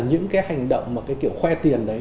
những cái hành động mà cái kiểu khoe tiền đấy